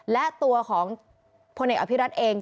และตัวของพลเอกอภิรัตเอง